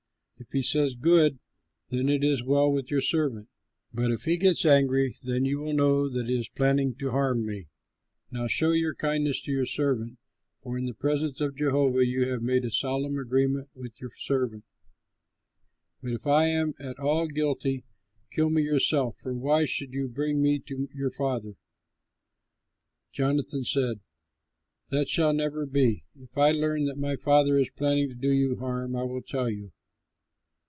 If he says, 'Good,' then it is well with your servant; but if he gets angry, then you will know that he is planning to harm me. Now show kindness to your servant, for in the presence of Jehovah you have made a solemn agreement with your servant. But if I am at all guilty, kill me yourself, for why should you bring me to your father?" Jonathan said, "That shall never be! If I learn that my father is planning to do you harm, I will tell you."